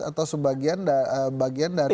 atau sebagian bagian dari